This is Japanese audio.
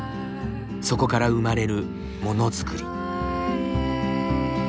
そこから生まれるものづくり。